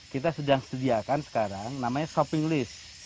kita sedang sediakan sekarang namanya shopping list